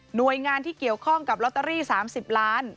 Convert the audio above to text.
หน่วยงานที่เกี่ยวข้องกับลอตเตอรี่๓๐ล้าน